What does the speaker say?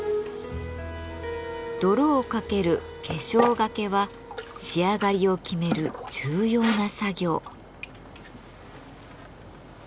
泥をかける化粧がけは仕上がりを決める重要な作業。